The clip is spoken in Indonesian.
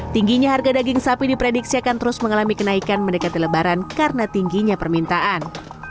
tingginya harga daging sapi diprediksi akan terus mengalami kenaikan mendekati lebaran karena tingginya permintaan